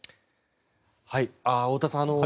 太田さん